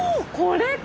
これか！